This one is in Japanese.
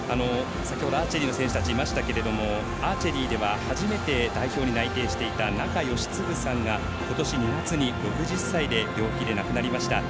先ほどアーチェリーの選手たちいましたがアーチェリーでは初めて代表に内定していた仲喜嗣さんが、ことし２月に６０歳で病気で亡くなりました。